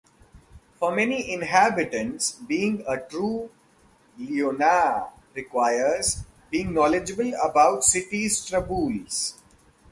For many inhabitants, being a "true Lyonnais" requires being knowledgeable about the city's traboules.